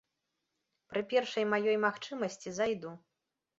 Пры першай маёй магчымасці зайду.